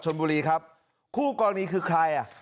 แถวนี้คือใคร